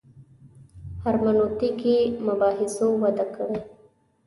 هرمنوتیکي مباحثو وده کړې.